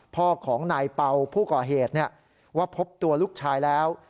พ่อของนายเป่าผู้ก่อเหตุว่าพบตัวลูกชายแล้ว